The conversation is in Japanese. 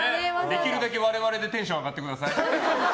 できるだけ我々でテンション上がってください。